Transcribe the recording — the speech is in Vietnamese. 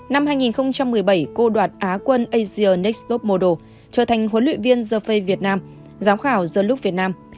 năm hai nghìn một mươi bảy cô đoạt á quân asia s next top model trở thành huấn luyện viên the face việt nam giáo khảo the look việt nam